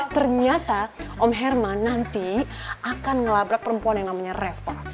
ternyata om herman nanti akan ngelabrak perempuan yang namanya revo